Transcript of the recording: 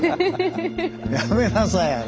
やめなさいあれ。